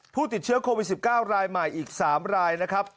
ผู้ติดเชื้อโควิด๑๙รายใหม่อีก๓รายนะครับ